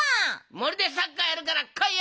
森でサッカーやるからこいよ。